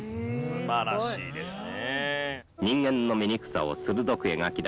素晴らしいですね。